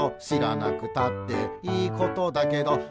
「しらなくたっていいことだけど」